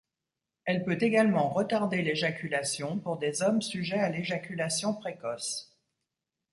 Elle peut également retarder l'éjaculation pour des hommes sujets à l'éjaculation précoce.